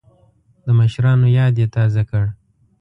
د مشرانو یاد یې تازه کړ.